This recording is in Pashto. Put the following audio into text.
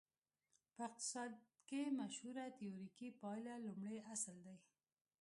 په اقتصاد کې مشهوره تیوریکي پایله لومړی اصل دی.